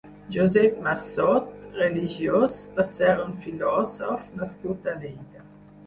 Josep Massot (religiós) va ser un filòsof nascut a Lleida.